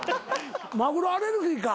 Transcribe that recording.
マグロアレルギーか。